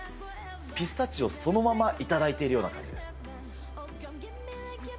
ピスタチオそのまま頂いているような感じです。